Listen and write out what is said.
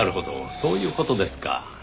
そういう事ですか。